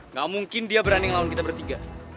nggak mungkin dia berani melawan kita bertiga